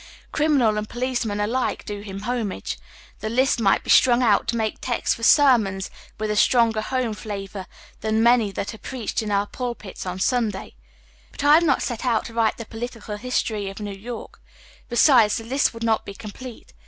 Criminals and policemen alike do him homage. The list might be strung out to make texts for sermons with a stronger home flavor than many that are preached in our pulpits on Sunday. Ent I have not set ont to write tlie political history of New York. Besides, the list would not be complete.